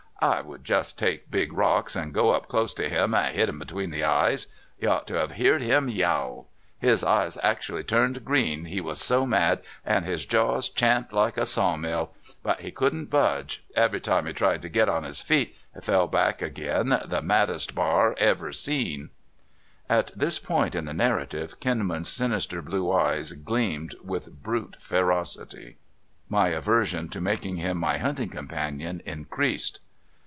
"I would just take big rocks and go up close to him, and hit him between the eyes. You ought to have heerd him yowl! His eyes actually turned grecL, he was so mad, and his jaws champed like a saw mill ; but he could n't budge — every time he tried to git on his feet he fell back agin, the mad dest bar ever seen." The Ethics of Grizzly Hunting. 113 At this point in the narratiou Kinmau's sinister blue eyes gleamed ^vith brute ferocity. My aver sion to making liim my hunting companion in creased.